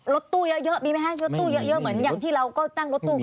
รถตู้เยอะแยอะมีหรอมีรถตู้เยอะเหมือนที่เราก็ตั้งรถตู้